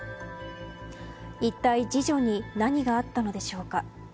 いったい次女に何があったのでしょうか。